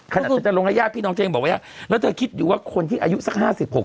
ขนาดจะลงอาย้าพี่น้องเจ้าเองบอกไว้แล้วเธอคิดอยู่ว่าคนที่อายุสัก๕๐๖๐อะ